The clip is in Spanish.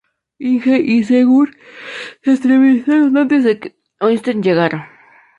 Inge y Sigurd se entrevistaron antes de que Øystein llegara.